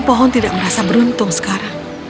pohon tidak merasa beruntung sekarang